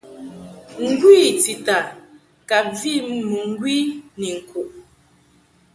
Ngwi tita ka vi mɨŋgwi ni ŋkuʼ.